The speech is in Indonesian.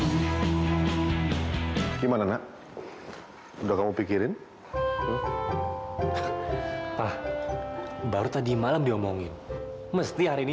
kau berikan padaku gimana nak udah mau pikirin ah baru tadi malam diomongin mesti hari ini